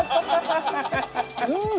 うん！